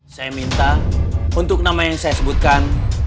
saya minta untuk nama yang saya sebutkan